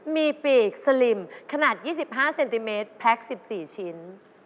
มีปีกสลิมขนาด๒๕เซนติเมตรแพ็ค๑๔ชิ้น